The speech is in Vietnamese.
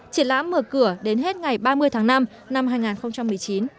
triển lãm mở cửa đến hết ngày ba mươi tháng năm năm hai nghìn một mươi chín